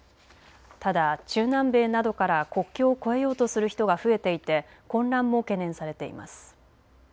ただ中南米などから国境を越えようとする人が増えていて混乱も懸念されています。